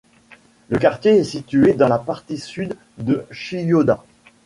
Le quartier est situé dans la partie sud de Chiyoda.